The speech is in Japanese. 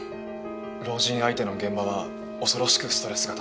老人相手の現場は恐ろしくストレスがたまる。